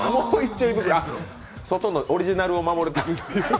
オリジナルを守るために？